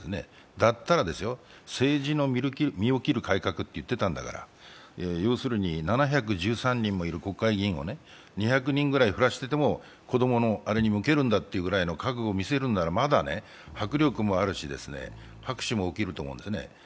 だったら、政治の身を切る改革と言っていたんだから、要するに７１３人もいる国会議員を２００人ぐらい減らしてでも子供のあれに充てるというんならまだ迫力もあるし、拍手も起きると思うんですね。